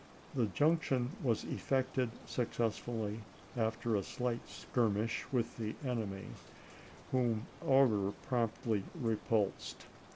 The junction was effected successfully after a slight skirmish with the enemy, whom Augur promptly repulsed.